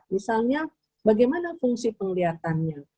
misalnya bagaimana fungsi penglihatannya